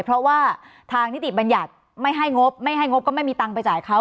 เพราะว่าทางนิติบัญญัติไม่ให้งบไม่ให้งบก็ไม่มีตังค์ไปจ่ายเขา